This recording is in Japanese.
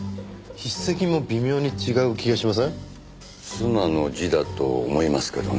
妻の字だと思いますけどね。